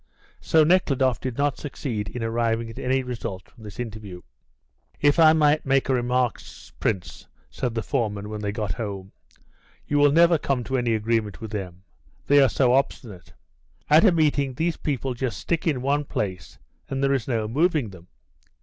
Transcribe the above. So Nekhludoff did not succeed in arriving at any result from this interview. "If I might make a remark, Prince," said the foreman, when they got home, "you will never come to any agreement with them; they are so obstinate. At a meeting these people just stick in one place, and there is no moving them.